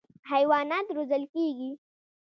حیوانات روزل کېږي.